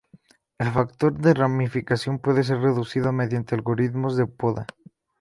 El factor de ramificación puede ser reducido mediante algoritmos de poda.